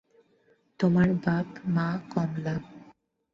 তোমার বাপ-মা– কমলা।